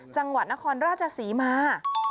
จังหวัดนครราชศรีมา